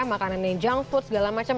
makanan yang junk food segala macam